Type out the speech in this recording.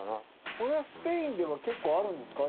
・これはスペインでも結構あるんですか？